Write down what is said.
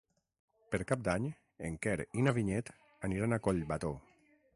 Per Cap d'Any en Quer i na Vinyet aniran a Collbató.